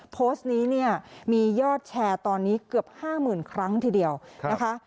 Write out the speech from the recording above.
โพสต์นี้เนี่ยมียอดแชร์ตอนนี้เกือบ๕๐๐๐ครั้งทีเดียวนะคะ